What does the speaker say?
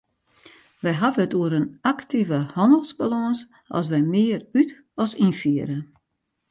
Wy hawwe it oer in aktive hannelsbalâns as wy mear út- as ynfiere.